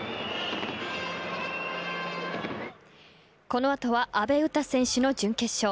この後は阿部詩選手の準決勝。